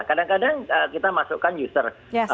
kadang kadang kita masukkan user